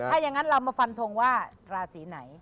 ถ้าอย่างนั้นเรามาฟันทงว่าราศีไหน